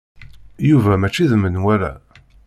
Yuba mačči d menwala.